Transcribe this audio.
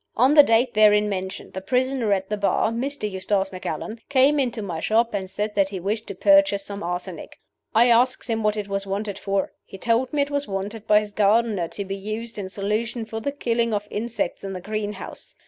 On the date therein mentioned the prisoner at the bar, Mr. Eustace Macallan, came into my shop, and said that he wished to purchase some arsenic. I asked him what it was wanted for. He told me it was wanted by his gardener, to be used, in solution, for the killing of insects in the greenhouse.